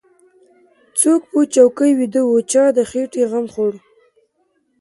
څوک په چوکۍ ويده و چا د خېټې غم خوړ.